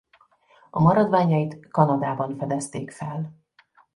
A maradványait Kanadában fedezték fel.